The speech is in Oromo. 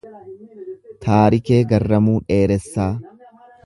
Taarikee Garramuu Dheeressaa